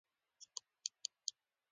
لمسی د ژوند بڼ تازه کوي.